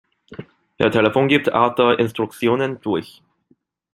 Per Telefon gibt Arthur Instruktionen durch.